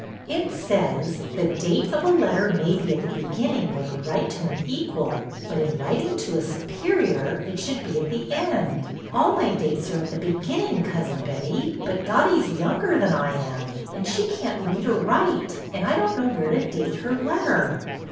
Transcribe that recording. "It says: 'The date of a letter may be at the beginning when we write to an equal; but in writing to a superior, it should be at the end.' All my dates are at the beginning. Cousin Betty, but Dottie's younger than I am, and she can't read or write, and I don't know where to date her letter."